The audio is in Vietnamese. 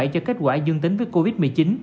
cho kết quả dương tính với covid một mươi chín